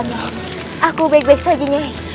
ya saya juga baik baik saja